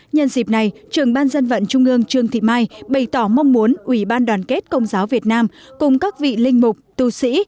nhân dịp này trưởng ban dân vận trung ương trương thị mai bày tỏ mong muốn ủy ban đoàn kết công giáo việt nam cùng các vị linh mục tù sĩ